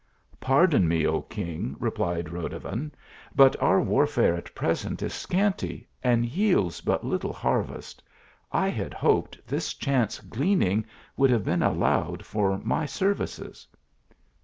" Pardon me, O king !" replied Rodovan, " but our warfare at present is scanty ; and yields but little harvest. I had hoped this chance gleaning would have been allowed for my services."